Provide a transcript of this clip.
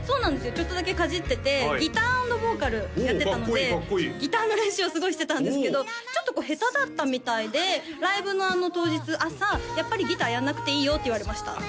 ちょっとだけかじっててギターアンドボーカルやってたのでおおかっこいいかっこいいギターの練習をすごいしてたんですけどちょっと下手だったみたいでライブの当日朝やっぱりギターやらなくていいよって言われました